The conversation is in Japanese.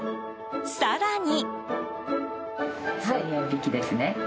更に。